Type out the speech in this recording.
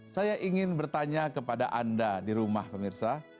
saya ingin bertanya kepada anda di rumah pemirsa